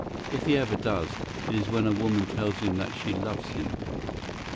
If he ever does, it is when a woman tells him that she loves him.